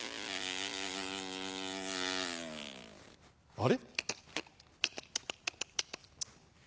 あれ？